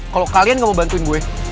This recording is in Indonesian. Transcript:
kalau kalian gak mau bantuin gue